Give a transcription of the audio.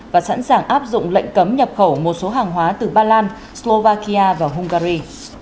và sẵn sàng áp dụng lệnh cấm nhập khẩu một số hàng hóa từ ba lan slovakia và hungary